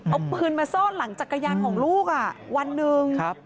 เอาปืนมาซ่อนหลังจักรยานของลูกวันหนึ่ง